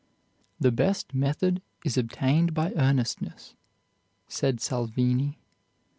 "The best method is obtained by earnestness," said Salvini.